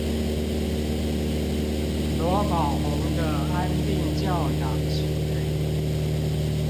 羅寶鴻的安定教養學